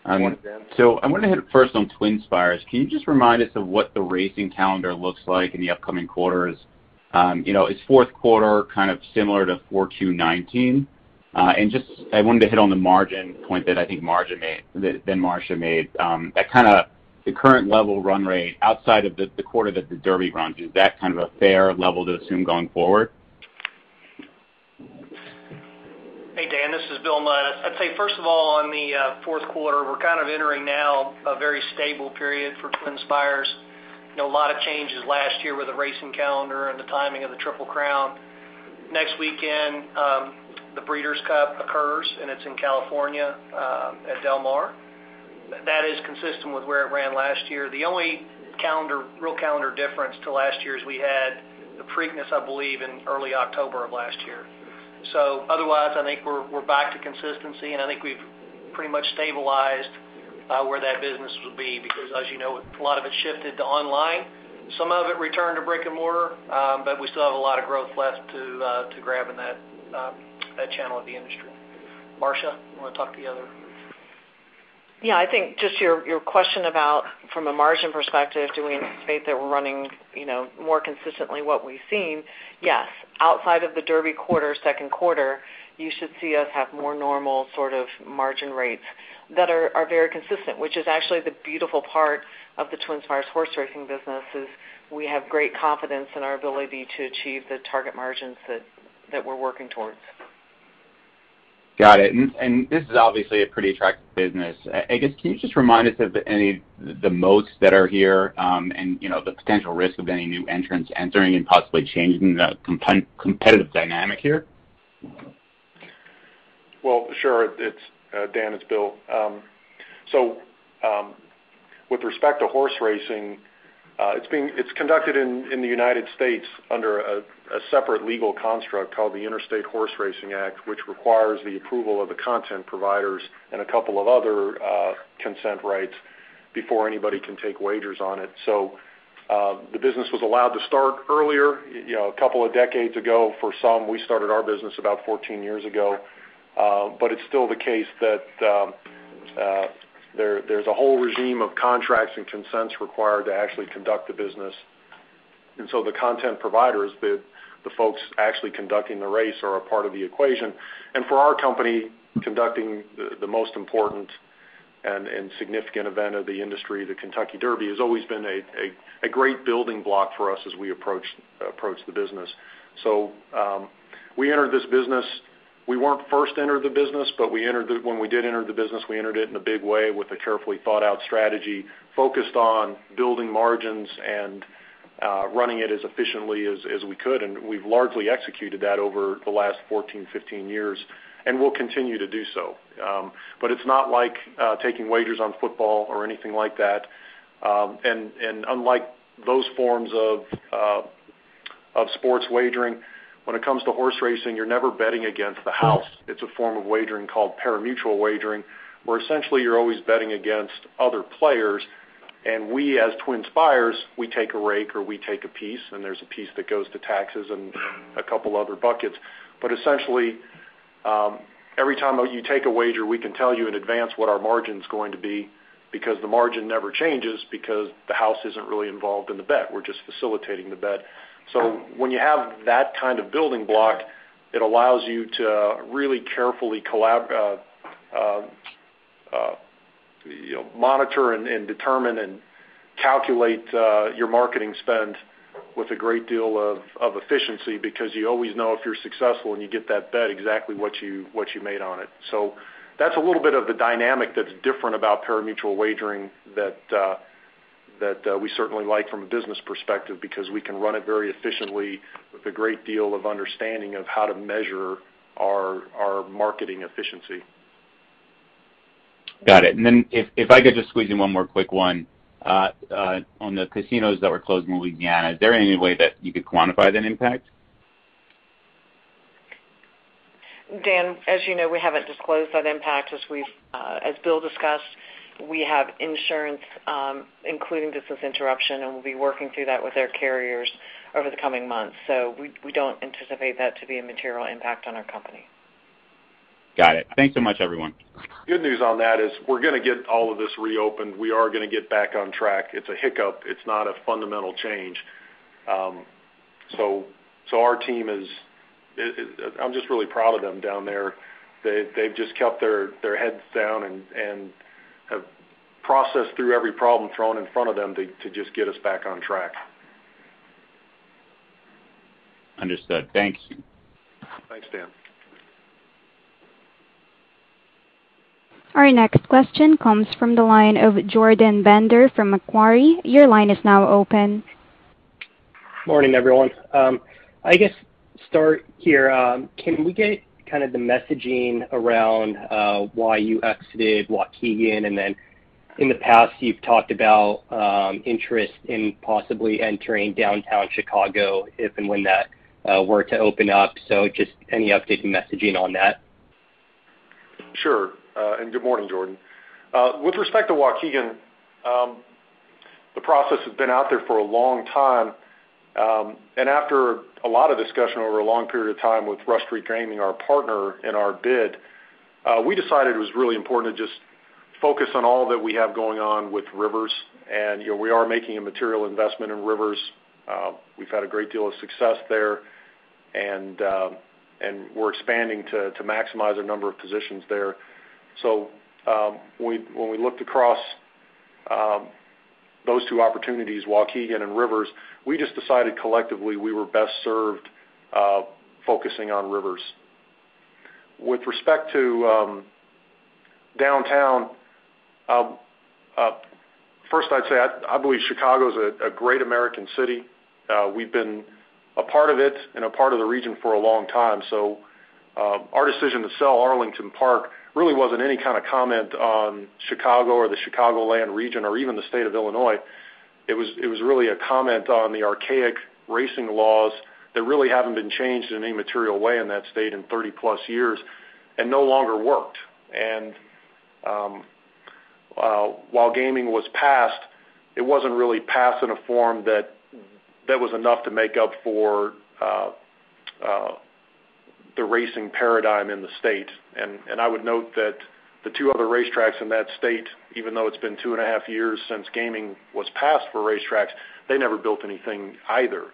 Good morning, Dan. I'm gonna hit first on TwinSpires. Can you just remind us of what the racing calendar looks like in the upcoming quarters? Is fourth quarter kind of similar to Q4 2019? I just wanted to hit on the margin point that I think Marcia made. That kind of the current level run rate outside of the quarter that the Derby runs. Is that kind of a fair level to assume going forward? Hey, Dan. This is Bill Mudd. I'd say, first of all, on the fourth quarter, we're kind of entering now a very stable period for TwinSpires. You know, a lot of changes last year with the racing calendar and the timing of the Triple Crown. Next weekend, the Breeders' Cup occurs, and it's in California at Del Mar. That is consistent with where it ran last year. The only calendar difference to last year is we had the Preakness, I believe, in early October of last year. Otherwise, I think we're back to consistency, and I think we've pretty much stabilized where that business will be because as you know, a lot of it shifted to online. Some of it returned to brick-and-mortar, but we still have a lot of growth left to grab in that channel of the industry. Marcia, you wanna talk to the other? Yeah, I think just your question about from a margin perspective, do we anticipate that we're running, you know, more consistently what we've seen? Yes. Outside of the Derby quarter, second quarter, you should see us have more normal sort of margin rates that are very consistent, which is actually the beautiful part of the TwinSpires horse racing business is we have great confidence in our ability to achieve the target margins that we're working towards. Got it. This is obviously a pretty attractive business. I guess, can you just remind us of the moats that are here, and you know, the potential risk of any new entrants entering and possibly changing the competitive dynamic here? Well, sure. It's. Dan, it's Bill. With respect to horse racing, it's conducted in the United States under a separate legal construct called the Interstate Horseracing Act, which requires the approval of the content providers and a couple of other consent rights before anybody can take wagers on it. The business was allowed to start earlier, you know, a couple of decades ago for some. We started our business about 14 years ago, but it's still the case that there's a whole regime of contracts and consents required to actually conduct the business. The content providers, the folks actually conducting the race are a part of the equation. For our company, conducting the most important and significant event of the industry, the Kentucky Derby, has always been a great building block for us as we approach the business. We weren't first to enter the business, but we entered it in a big way with a carefully thought-out strategy focused on building margins and running it as efficiently as we could. We've largely executed that over the last 14, 15 years, and we'll continue to do so. It's not like taking wagers on football or anything like that. Unlike those forms of sports wagering, when it comes to horse racing, you're never betting against the house. It's a form of wagering called pari-mutuel wagering, where essentially you're always betting against other players. We, as TwinSpires, we take a rake or we take a piece, and there's a piece that goes to taxes and a couple other buckets. Essentially, every time you take a wager, we can tell you in advance what our margin's going to be because the margin never changes because the house isn't really involved in the bet. We're just facilitating the bet. When you have that kind of building block, it allows you to carefully monitor and determine and calculate your marketing spend with a great deal of efficiency because you always know if you're successful and you get that bet exactly what you made on it. That's a little bit of the dynamic that's different about pari-mutuel wagering that we certainly like from a business perspective because we can run it very efficiently with a great deal of understanding of how to measure our marketing efficiency. Got it. If I could just squeeze in one more quick one. On the casinos that were closed in Louisiana, is there any way that you could quantify that impact? Dan, as you know, we haven't disclosed that impact. As Bill discussed, we have insurance, including business interruption, and we'll be working through that with our carriers over the coming months. We don't anticipate that to be a material impact on our company. Got it. Thanks so much, everyone. Good news on that is we're gonna get all of this reopened. We are gonna get back on track. It's a hiccup. It's not a fundamental change. I'm just really proud of them down there. They've just kept their heads down and have processed through every problem thrown in front of them to just get us back on track. Understood. Thanks. Thanks, Dan. Our next question comes from the line of Jordan Bender from Macquarie. Your line is now open. Morning, everyone. I guess start here. Can we get kind of the messaging around why you exited Waukegan? Then in the past, you've talked about interest in possibly entering downtown Chicago if and when that were to open up. Just any update and messaging on that? Sure. Good morning, Jordan. With respect to Waukegan, the process has been out there for a long time. After a lot of discussion over a long period of time with Rush Street Gaming, our partner in our bid, we decided it was really important to just focus on all that we have going on with Rivers. You know, we are making a material investment in Rivers. We've had a great deal of success there, and we're expanding to maximize our number of positions there. When we looked across those two opportunities, Waukegan and Rivers, we just decided collectively we were best served focusing on Rivers. With respect to downtown, first I'd say I believe Chicago is a great American city. We've been a part of it and a part of the region for a long time. Our decision to sell Arlington Park really wasn't any kind of comment on Chicago or the Chicagoland region or even the state of Illinois. It was really a comment on the archaic racing laws that really haven't been changed in any material way in that state in 30-plus years and no longer worked. While gaming was passed, it wasn't really passed in a form that was enough to make up for the racing paradigm in the state. I would note that the two other racetracks in that state, even though it's been two and a half years since gaming was passed for racetracks, they never built anything either.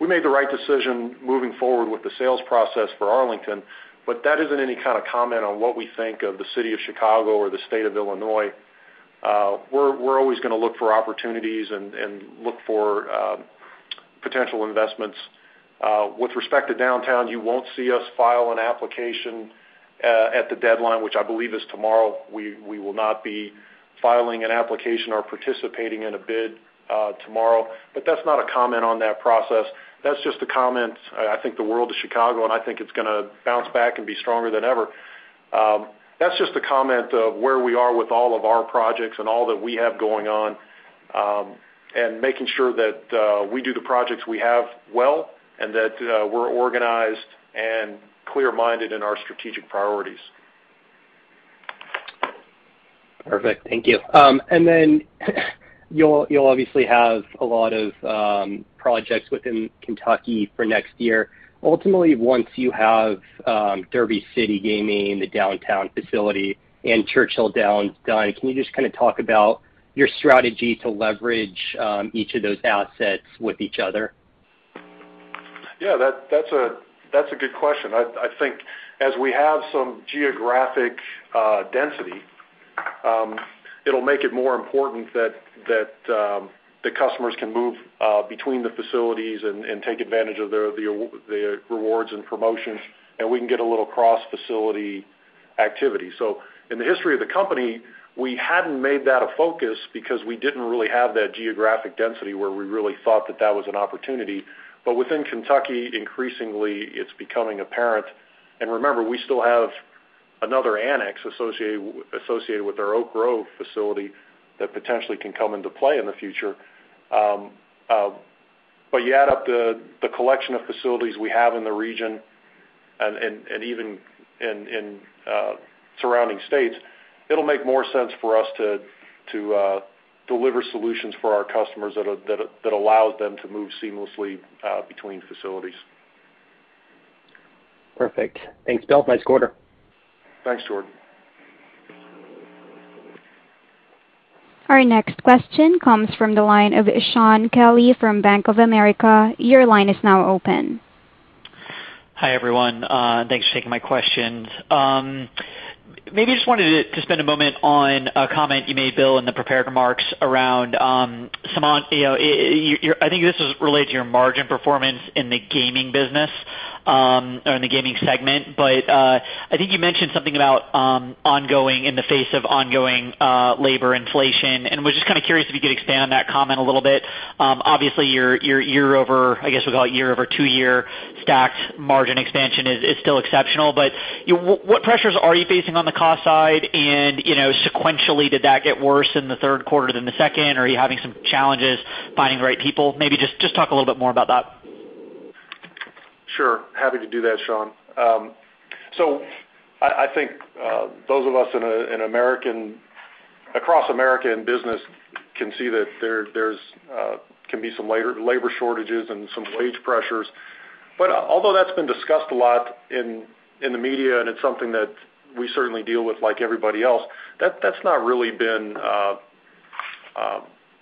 We made the right decision moving forward with the sales process for Arlington, but that isn't any kind of comment on what we think of the city of Chicago or the state of Illinois. We're always gonna look for opportunities and look for potential investments. With respect to downtown, you won't see us file an application at the deadline, which I believe is tomorrow. We will not be filing an application or participating in a bid tomorrow. That's not a comment on that process. That's just a comment. I think the world of Chicago, and I think it's gonna bounce back and be stronger than ever. That's just a comment of where we are with all of our projects and all that we have going on, and making sure that we do the projects we have well and that we're organized and clear-minded in our strategic priorities. Perfect. Thank you. You'll obviously have a lot of projects within Kentucky for next year. Ultimately, once you have Derby City Gaming, the downtown facility, and Churchill Downs done, can you just kinda talk about your strategy to leverage each of those assets with each other? Yeah, that's a good question. I think as we have some geographic density, it'll make it more important that the customers can move between the facilities and take advantage of their rewards and promotions, and we can get a little cross-facility activity. In the history of the company, we hadn't made that a focus because we didn't really have that geographic density where we really thought that was an opportunity. Within Kentucky, increasingly, it's becoming apparent. Remember, we still have another annex associated with our Oak Grove facility that potentially can come into play in the future. You add up the collection of facilities we have in the region and even in surrounding states. It'll make more sense for us to deliver solutions for our customers that allows them to move seamlessly between facilities. Perfect. Thanks, Bill. Nice quarter. Thanks, Jordan. Our next question comes from the line of Shaun Kelley from Bank of America. Your line is now open. Hi, everyone. Thanks for taking my questions. Maybe just wanted to spend a moment on a comment you made, Bill, in the prepared remarks around some on, you know, I think this is related to your margin performance in the gaming business or in the gaming segment. I think you mentioned something about ongoing in the face of ongoing labor inflation, and was just kinda curious if you could expand on that comment a little bit. Obviously, your year-over, I guess we'll call it year-over-two-year stacked margin expansion is still exceptional. What pressures are you facing on the cost side? You know, sequentially, did that get worse in the third quarter than the second? Are you having some challenges finding the right people? Maybe just talk a little bit more about that. Sure. Happy to do that, Shaun. I think those of us across America in business can see that there can be some labor shortages and some wage pressures. Although that's been discussed a lot in the media, and it's something that we certainly deal with like everybody else, that's not really been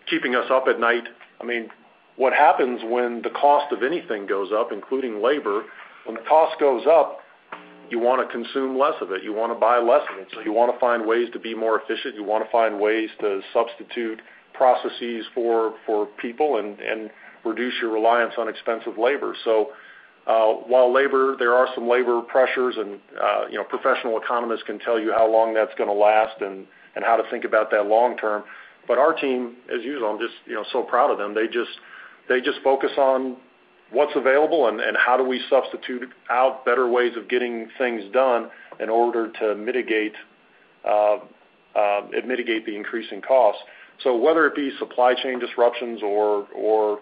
keeping us up at night. I mean, what happens when the cost of anything goes up, including labor, when the cost goes up, you wanna consume less of it. You wanna buy less of it. You wanna find ways to be more efficient. You wanna find ways to substitute processes for people and reduce your reliance on expensive labor. There are some labor pressures and you know, professional economists can tell you how long that's gonna last and how to think about that long term. Our team, as usual, I'm just you know, so proud of them. They just focus on what's available and how do we substitute out better ways of getting things done in order to mitigate the increasing costs. Whether it be supply chain disruptions or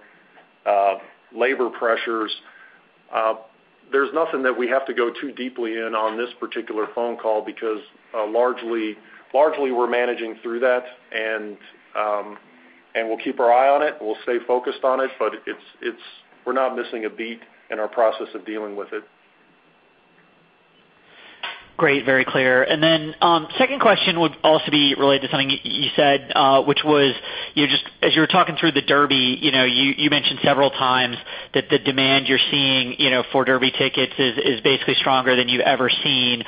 labor pressures, there's nothing that we have to go too deeply in on this particular phone call because largely we're managing through that. We'll keep our eye on it, and we'll stay focused on it, but it's. We're not missing a beat in our process of dealing with it. Great. Very clear. Then, second question would also be related to something you said, which was as you were talking through the Derby, you know, you mentioned several times that the demand you're seeing, you know, for Derby tickets is basically stronger than you've ever seen.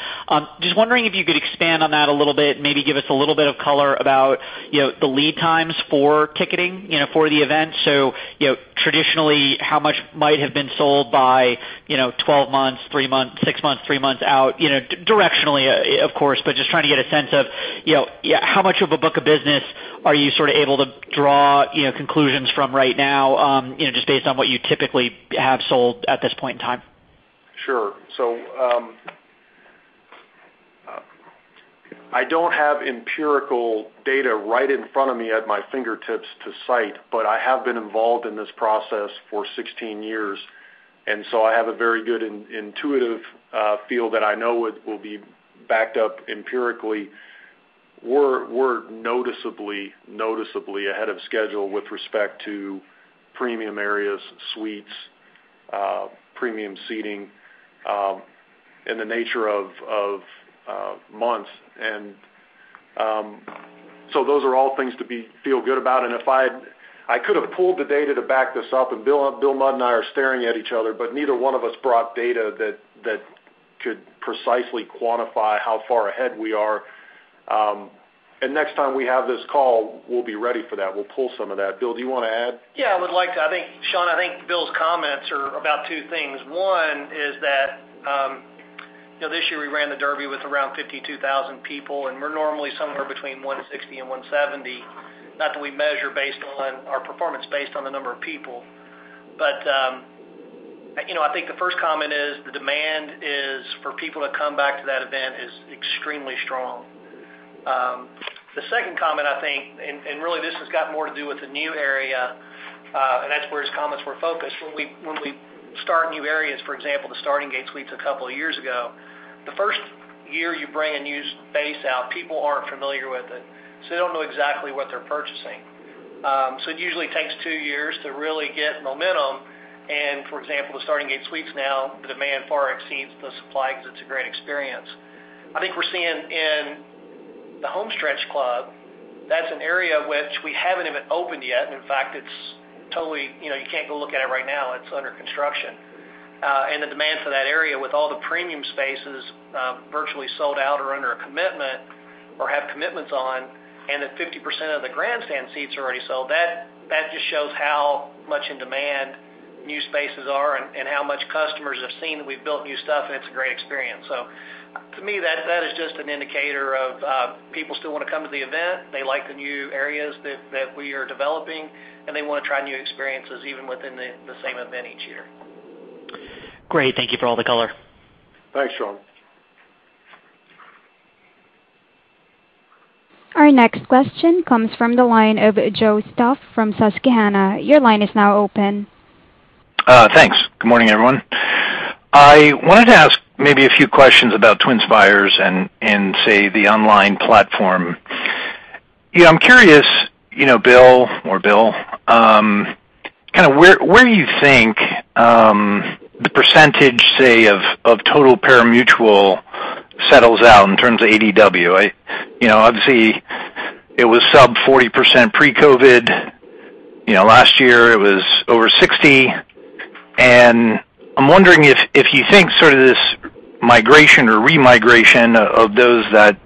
Just wondering if you could expand on that a little bit, maybe give us a little bit of color about, you know, the lead times for ticketing, you know, for the event. You know, traditionally, how much might have been sold by, you know, 12 months, three months, six months, three months out, you know, directionally, of course, but just trying to get a sense of, you know, how much of a book of business are you sort of able to draw, you know, conclusions from right now, you know, just based on what you typically have sold at this point in time? Sure. I don't have empirical data right in front of me at my fingertips to cite, but I have been involved in this process for 16 years, and so I have a very good intuitive feel that I know it will be backed up empirically. We're noticeably ahead of schedule with respect to premium areas, suites, premium seating in the nature of months. Those are all things to feel good about. I could have pulled the data to back this up, and Bill Mudd and I are staring at each other, but neither one of us brought data that could precisely quantify how far ahead we are. Next time we have this call, we'll be ready for that. We'll pull some of that. Bill, do you wanna add? Yeah, I would like to. I think, Shaun, Bill's comments are about two things. One is that, you know, this year we ran the Derby with around 52,000 people, and we're normally somewhere between 160 and 170. Not that we measure based on our performance, based on the number of people. You know, I think the first comment is the demand is for people to come back to that event is extremely strong. The second comment, I think, and really this has got more to do with the new area, and that's where his comments were focused. When we start new areas, for example, the Starting Gate Suites a couple of years ago, the first year you bring a new space out, people aren't familiar with it, so they don't know exactly what they're purchasing. It usually takes two years to really get momentum and, for example, the Starting Gate Suites now, the demand far exceeds the supply 'cause it's a great experience. I think we're seeing in the Homestretch Club, that's an area which we haven't even opened yet. In fact, it's totally, you know, you can't go look at it right now. It's under construction. The demand for that area with all the premium spaces virtually sold out or under a commitment or have commitments on, and that 50% of the grandstand seats are already sold, that just shows how much in demand new spaces are and how much customers have seen that we've built new stuff, and it's a great experience. So to me, that is just an indicator of people still wanna come to the event. They like the new areas that we are developing, and they wanna try new experiences even within the same event each year. Great. Thank you for all the color. Thanks, Shaun. Our next question comes from the line of Joe Stauff from Susquehanna. Your line is now open. Thanks. Good morning, everyone. I wanted to ask maybe a few questions about TwinSpires and say the online platform. You know, I'm curious, you know, Bill or Bill, kinda where do you think the percentage, say, of total pari-mutuel settles out in terms of ADW? You know, obviously, it was sub-40% pre-COVID. You know, last year it was over 60%. I'm wondering if you think sort of this migration or re-migration of those that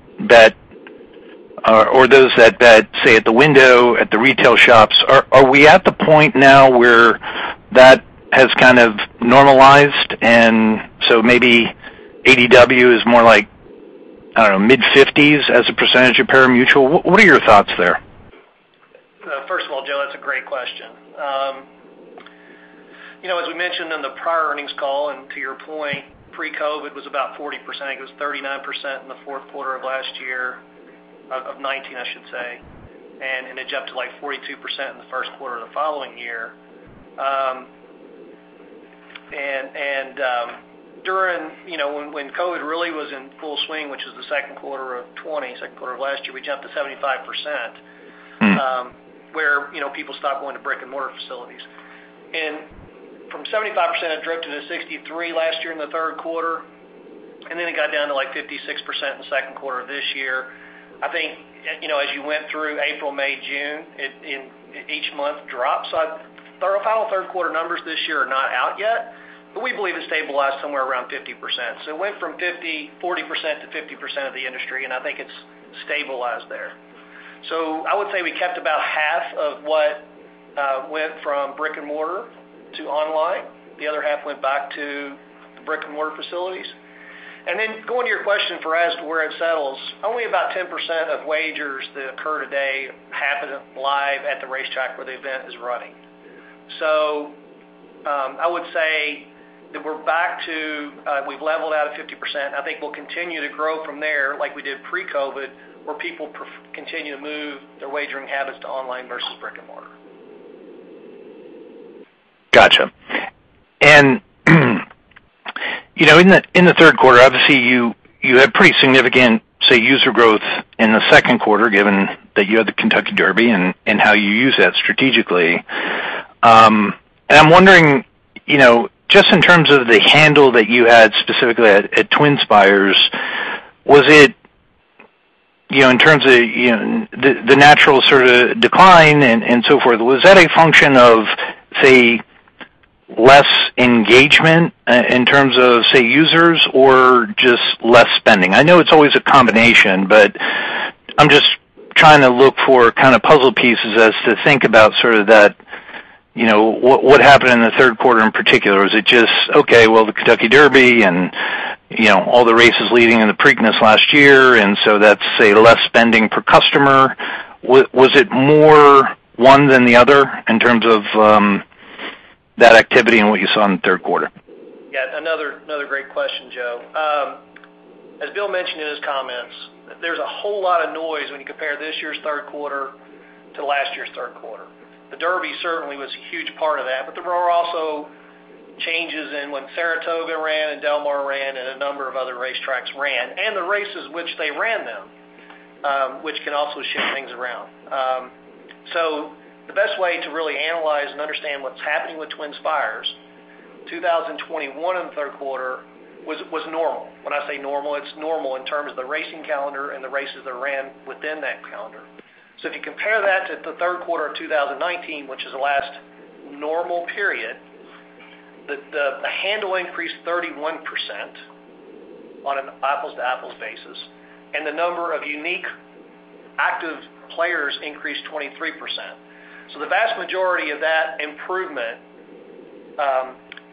or those that say at the window, at the retail shops, are we at the point now where that has kind of normalized and so maybe ADW is more like, I don't know, mid-50s as a percentage of pari-mutuel? What are your thoughts there? First of all, Joe, that's a great question. You know, as we mentioned in the prior earnings call, and to your point, pre-COVID was about 40%. I think it was 39% in the fourth quarter of last year, of 2019, I should say. It jumped to, like, 42% in the first quarter of the following year. During, you know, when COVID really was in full swing, which was the second quarter of 2020, second quarter of last year, we jumped to 75%. Where, you know, people stopped going to brick-and-mortar facilities. From 75%, it dropped to 63% last year in the third quarter, and then it got down to, like, 56% in the second quarter of this year. I think, you know, as you went through April, May, June, it and each month dropped. The final third quarter numbers this year are not out yet, but we believe it stabilized somewhere around 50%. It went from 50, 40%-50% of the industry, and I think it's stabilized there. I would say we kept about half of what went from brick-and-mortar to online. The other half went back to the brick-and-mortar facilities. Going to your question as to where it settles, only about 10% of wagers that occur today happen live at the racetrack where the event is running. I would say that we've leveled out at 50%. I think we'll continue to grow from there like we did pre-COVID, where people continue to move their wagering habits to online versus brick-and-mortar. Gotcha. You know, in the third quarter, obviously you had pretty significant, say, user growth in the second quarter, given that you had the Kentucky Derby and how you use that strategically. I'm wondering, you know, just in terms of the handle that you had specifically at TwinSpires, was it, you know, in terms of the natural sort of decline and so forth, was that a function of, say, less engagement in terms of, say, users or just less spending? I know it's always a combination, but I'm just trying to look for kind of puzzle pieces as to think about sort of that, you know, what happened in the third quarter in particular. Was it just, okay, well, the Kentucky Derby and, you know, all the races leading in the Preakness last year, and so that's, say, less spending per customer. Was it more one than the other in terms of, that activity and what you saw in the third quarter? Yeah. Another great question, Joe. As Bill mentioned in his comments, there's a whole lot of noise when you compare this year's third quarter to last year's third quarter. The Derby certainly was a huge part of that, but there were also changes in when Saratoga ran and Del Mar ran and a number of other racetracks ran, and the races which they ran them, which can also shift things around. The best way to really analyze and understand what's happening with TwinSpires, 2021 in the third quarter was normal. When I say normal, it's normal in terms of the racing calendar and the races that ran within that calendar. If you compare that to the third quarter of 2019, which is the last normal period, the handling increased 31% on an apples-to-apples basis, and the number of unique active players increased 23%. The vast majority of that improvement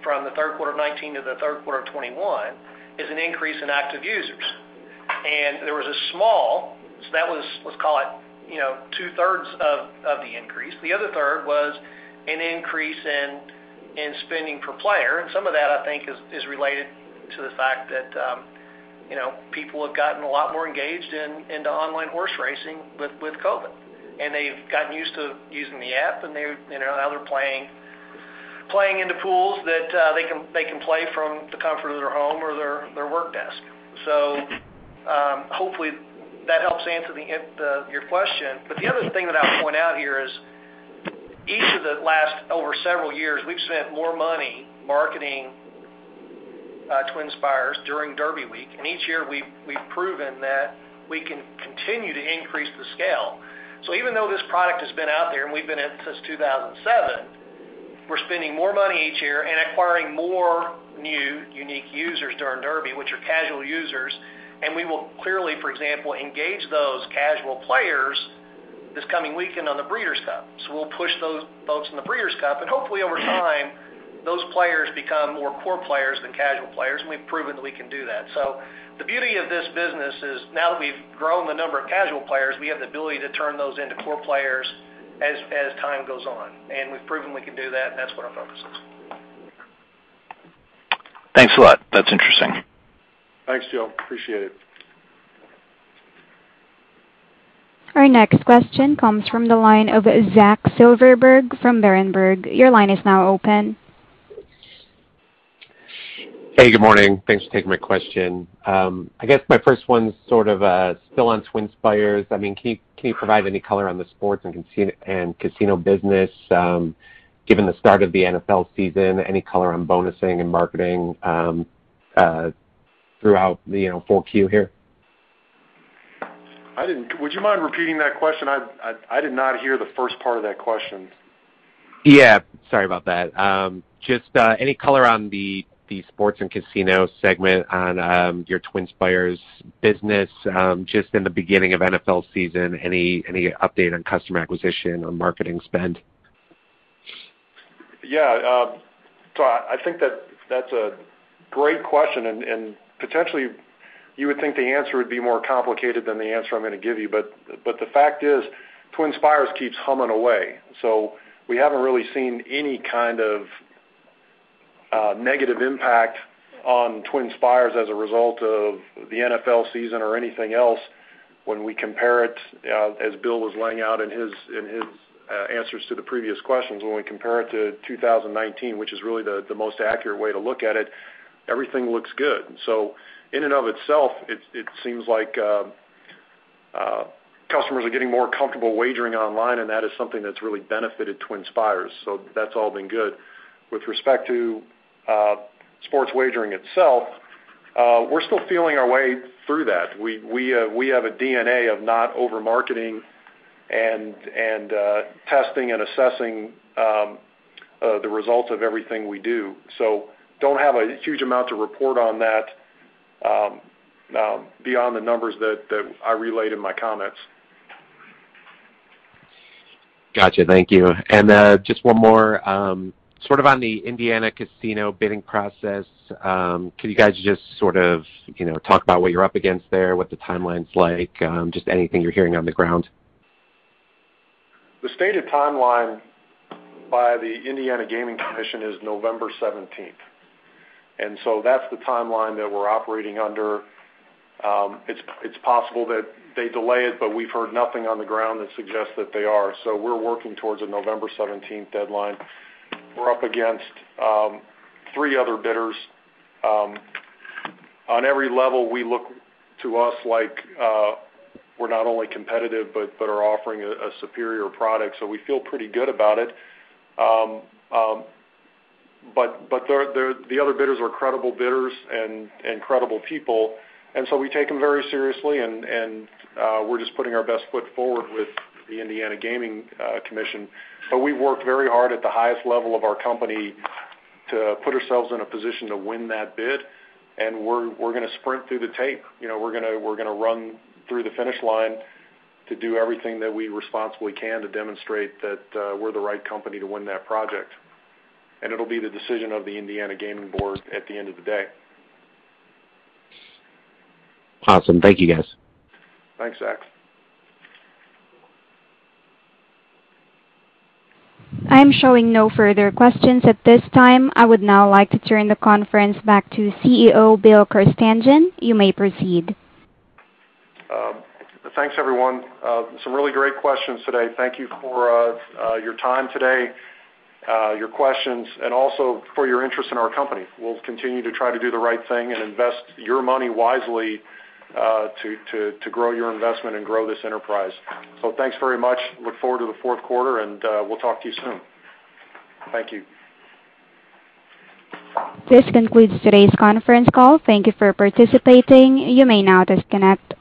from the third quarter of 2019 to the third quarter of 2021 is an increase in active users. That was, let's call it, you know, 2/3 of the increase. The other third was an increase in spending per player. Some of that, I think, is related to the fact that, you know, people have gotten a lot more engaged into online horse racing with COVID, and they've gotten used to using the app, and they're, you know, now they're playing in the pools that they can play from the comfort of their home or their work desk. Hopefully that helps answer your question. But the other thing that I'll point out here is each of the last over several years, we've spent more money marketing TwinSpires during Derby week, and each year we've proven that we can continue to increase the scale. Even though this product has been out there and we've been in it since 2007, we're spending more money each year and acquiring more new unique users during Derby, which are casual users, and we will clearly, for example, engage those casual players this coming weekend on the Breeders' Cup. We'll push those folks in the Breeders' Cup, and hopefully over time, those players become more core players than casual players, and we've proven that we can do that. The beauty of this business is now that we've grown the number of casual players, we have the ability to turn those into core players as time goes on. We've proven we can do that, and that's what our focus is. Thanks a lot. That's interesting. Thanks, Joe. Appreciate it. Our next question comes from the line of Zach Silverberg from Berenberg. Your line is now open. Hey, good morning. Thanks for taking my question. I guess my first one's sort of still on TwinSpires. I mean, can you provide any color on the sports and casino business, given the start of the NFL season? Any color on bonusing and marketing throughout the 4Q here? Would you mind repeating that question? I did not hear the first part of that question. Yeah. Sorry about that. Just any color on the sports and casino segment on your TwinSpires business, just in the beginning of NFL season, any update on customer acquisition or marketing spend? Yeah. I think that that's a great question and potentially you would think the answer would be more complicated than the answer I'm gonna give you. The fact is, TwinSpires keeps humming away. We haven't really seen any kind of negative impact on TwinSpires as a result of the NFL season or anything else when we compare it, as Bill was laying out in his answers to the previous questions. When we compare it to 2019, which is really the most accurate way to look at it, everything looks good. In and of itself, it seems like customers are getting more comfortable wagering online, and that is something that's really benefited TwinSpires. That's all been good. With respect to sports wagering itself, we're still feeling our way through that. We have a DNA of not over-marketing and testing and assessing the results of everything we do. Don't have a huge amount to report on that beyond the numbers that I relayed in my comments. Gotcha. Thank you. Just one more. Sort of on the Indiana casino bidding process, can you guys just sort of, you know, talk about what you're up against there, what the timeline's like, just anything you're hearing on the ground? The stated timeline by the Indiana Gaming Commission is November 17th, and so that's the timeline that we're operating under. It's possible that they delay it, but we've heard nothing on the ground that suggests that they are. We're working towards a November seventeenth deadline. We're up against three other bidders. On every level we look, to us like we're not only competitive, but are offering a superior product, so we feel pretty good about it. The other bidders are credible bidders and credible people, and so we take them very seriously and we're just putting our best foot forward with the Indiana Gaming Commission. We've worked very hard at the highest level of our company to put ourselves in a position to win that bid, and we're gonna sprint through the tape. You know, we're gonna run through the finish line to do everything that we responsibly can to demonstrate that we're the right company to win that project. It'll be the decision of the Indiana Gaming Commission at the end of the day. Awesome. Thank you, guys. Thanks, Zach. I am showing no further questions at this time. I would now like to turn the conference back to CEO, Bill Carstanjen. You may proceed. Thanks, everyone. Some really great questions today. Thank you for your time today, your questions, and also for your interest in our company. We'll continue to try to do the right thing and invest your money wisely to grow your investment and grow this enterprise. Thanks very much. I look forward to the fourth quarter and we'll talk to you soon. Thank you. This concludes today's conference call. Thank you for participating. You may now disconnect.